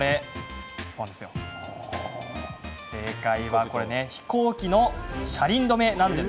正解は、飛行機の車輪止め。